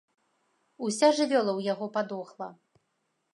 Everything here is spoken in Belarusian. Уся жывёла ў яго падохла.